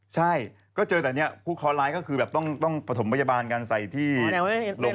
ใช่ก็เจอแต่เนี่ยฟุคอลายก็คือต้องผ่มพยาบาลการใส่ที่โรง